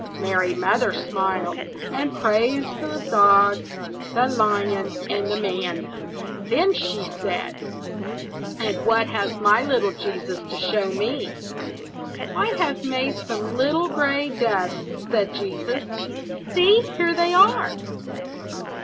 Mary Mother smiled, and praised the dog, the lion, and the man. Then she said, "And what has my little Jesus to show me?" "I have made some little gray doves," said Jesus. "See! here they are!"